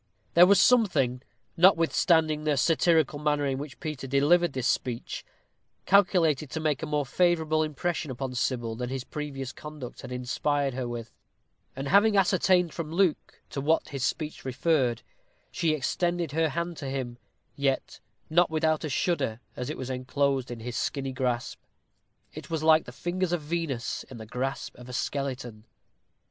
There was something, notwithstanding the satirical manner in which Peter delivered this speech, calculated to make a more favorable impression upon Sybil than his previous conduct had inspired her with; and, having ascertained from Luke to what his speech referred, she extended her hand to him, yet not without a shudder, as it was enclosed in his skinny grasp. It was like the fingers of Venus in the grasp of a skeleton.